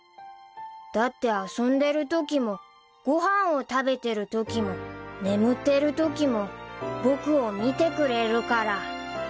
［だって遊んでるときもご飯を食べてるときも眠ってるときも僕を見てくれるから］